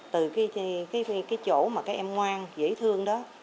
từ cái chỗ mà các em ngoan dễ thương đó